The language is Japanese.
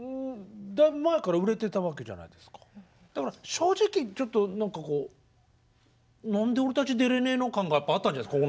正直ちょっと何かこう「何で俺たち出れねえの？感」があったんじゃないですか？